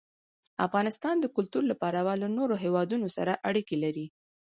افغانستان د کلتور له پلوه له نورو هېوادونو سره اړیکې لري.